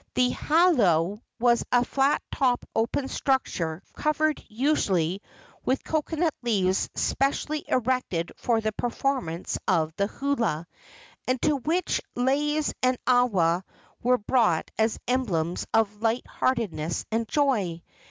The halau was a flat topped open structure covered usually with coconut leaves specially erected for the performance of the hula and to which leis and awa were brought as emblems of light heartedness and joy.